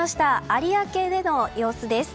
有明での様子です。